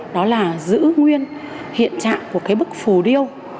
đó là giữ nguyên hiện trạng của cái bức phù điêu